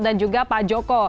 dan juga pak joko